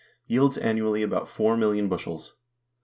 yields annually about four million bushels.